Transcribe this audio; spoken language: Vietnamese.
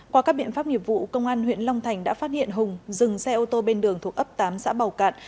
qua các biện pháp nghiệp vụ công an huyện long thành đã phát hiện hùng dừng xe ô tô bên đường thuộc ấp tám xã bào cạn